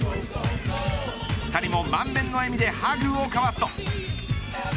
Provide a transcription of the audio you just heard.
２人も満面の笑みでハグを交わすと。